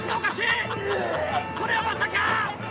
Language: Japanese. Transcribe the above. これはまさか！